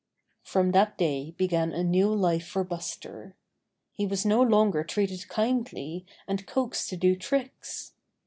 From that day began a new life for Buster. He was no longer treated kindly and coaxed to do tricks.